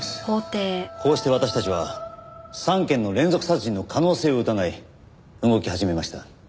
こうして私たちは３件の連続殺人の可能性を疑い動き始めました。